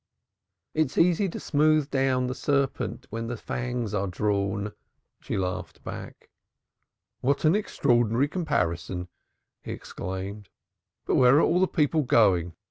"It is easy to smooth down the serpent when the fangs are drawn," she laughed back. "What an extraordinary comparison!" he exclaimed. "But where are all the people going?